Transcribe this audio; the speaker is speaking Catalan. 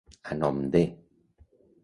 A nom de.